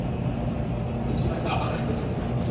দুই সুপারহিরো আবারও একত্রিত হচ্ছে!